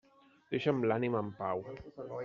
Deixa'm l'ànima en pau.